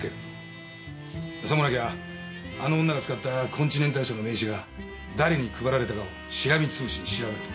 さもなきゃあの女が使ったコンチネンタル社の名刺が誰に配られたかをしらみ潰しに調べるとか。